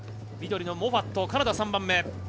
緑のモファット、カナダ３人目。